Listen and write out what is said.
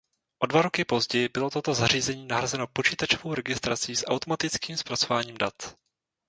O dva roky později bylo toto zařízení nahrazeno počítačovou registrací s automatickým zpracováním dat.